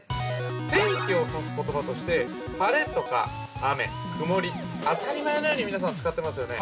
天気を指す言葉として、晴れとか、雨、くもり、当たり前のように皆さん、使ってますよね。